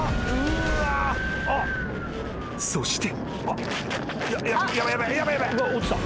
［そして］